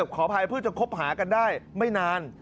ขออภัยเพิ่งจะคบหากันได้ไม่นาน